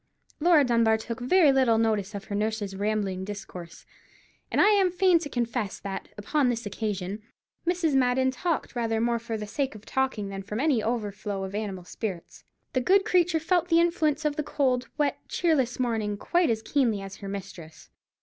Laura Dunbar took very little notice of her nurse's rambling discourse; and I am fain to confess that, upon this occasion, Mrs. Madden talked rather more for the sake of talking than from any overflow of animal spirits. The good creature felt the influence of the cold, wet, cheerless morning quite as keenly as her mistress.